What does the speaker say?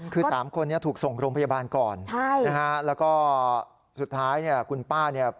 คือ๓คนนี้ถูกส่งโรงพยาบาลก่อนแล้วก็สุดท้ายคุณป้าเนี่ย